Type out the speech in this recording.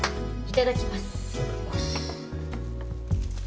いただきます。